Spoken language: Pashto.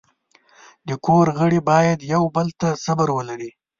د کور غړي باید یو بل ته صبر ولري.